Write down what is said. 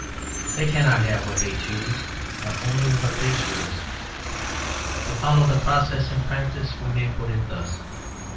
They cannot have what they choose, but only which they choose. To follow the process in practice we may put it thus.